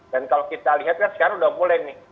dan kalau kita lihat kan sekarang sudah mulai nih